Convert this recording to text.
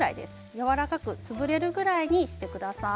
やわらかく、潰れるくらいにしてください。